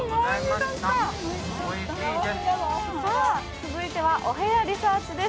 さあ、続いてはお部屋リサーチです。